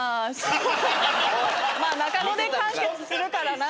まあ中野で完結するからなぁ。